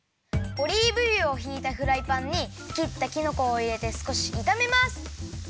オリーブ油をひいたフライパンにきったきのこをいれてすこしいためます。